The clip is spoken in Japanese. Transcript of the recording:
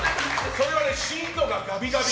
それはシートがガビガビ。